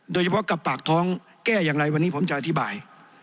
โดยเฉพาะกับปากท้องแก้อย่างไรวันนี้ผมจะอธิบาย